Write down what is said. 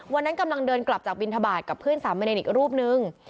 วันนั้นกำลังเดินกลับจากบินทบาทกับเพื่อนสามเณรอีกรูปนึง